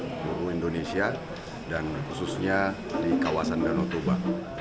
di pulau m sexy dan khususnya di kawasan danau toba